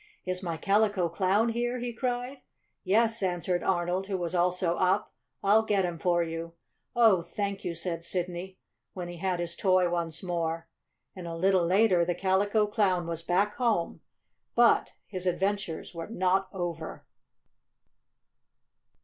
"Is my Calico Clown here?" he cried. "Yes," answered Arnold, who was also up. "I'll get him for you." "Oh, thank you!" said Sidney, when he had his toy once more. And a little later the Calico Clown was back home. But his adventures were not over.